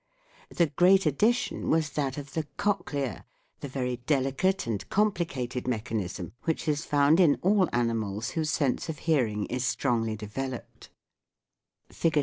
The great addition was that of the cochlea the very delicate and complicated mechanism which is found in all animals whose sense of hearing is strongly developed (Fig.